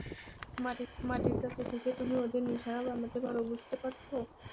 মাটির কাছে থেকে, তুমি ওদের নিশানা বানাতে পারো - বুঝতে পারছ?